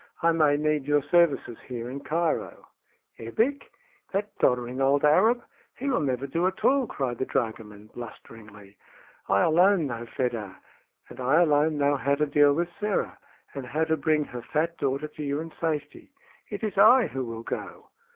I may need your services here in Cairo." "Ebbek! that doddering old Arab! He will never do at all," cried the dragoman, blusteringly. "I alone know Fedah, and I alone know how to deal with Sĕra, and how to bring her fat daughter to you in safety. It is I who will go!"